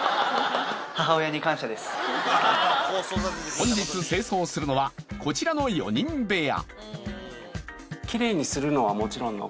本日清掃するのはこちらのこちら。